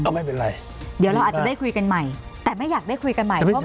ไม่เป็นไรเดี๋ยวเราอาจจะได้คุยกันใหม่แต่ไม่อยากได้คุยกันใหม่เพราะ